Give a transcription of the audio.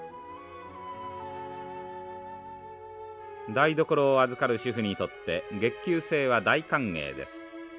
台所を預かる主婦にとって月給制は大歓迎です。